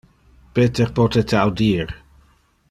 Peter pote te audir.